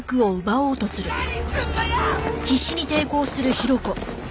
何すんのよ！